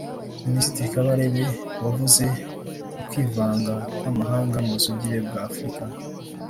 Minisitiri Kabarebe wavuze k’ukwivanga kw’amahanga mu busugire bw’Afurika